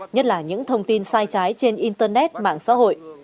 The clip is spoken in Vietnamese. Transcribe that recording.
nhất là những thông tin sai trái trên internet mạng xã hội